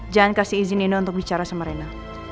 jangan kasih izin indah untuk bicara sama rena